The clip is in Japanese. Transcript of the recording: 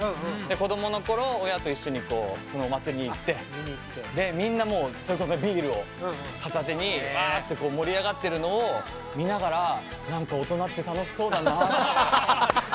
子供の頃親と一緒にお祭りに行ってみんなもうそれこそビールを片手にわって盛り上がってるのを見ながら何か大人って楽しそうだなって。